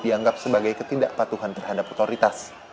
dianggap sebagai ketidakpatuhan terhadap otoritas